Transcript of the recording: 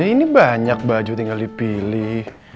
ini banyak baju tinggal dipilih